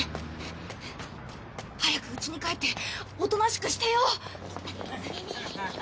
早くうちに帰っておとなしくしてよう。